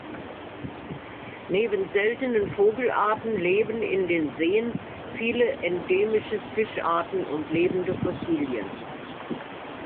Neben seltenen Vogelarten leben in den Seen viele endemische Fischarten und Lebende Fossilien.